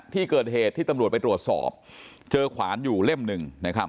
ที่เกิดเหตุที่ตำรวจไปตรวจสอบเจอขวานอยู่เล่มหนึ่งนะครับ